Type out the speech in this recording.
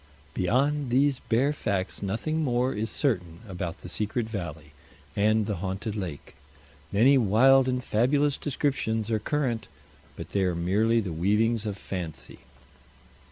Beyond these bare facts nothing more is certain about the secret valley and the haunted lake. Many wild and fabulous descriptions are current, but they are merely the weavings of fancy.